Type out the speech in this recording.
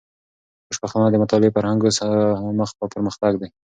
خوشبختانه، د مطالعې فرهنګ اوس مخ پر پرمختګ دی.